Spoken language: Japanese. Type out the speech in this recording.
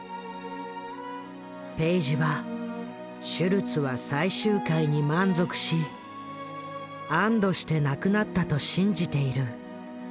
ペイジはシュルツは最終回に満足し安堵して亡くなったと信じている。